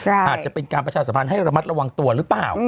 อาจจะเป็นการประชาสัมพันธ์ให้ระมัดระวังตัวหรือเปล่า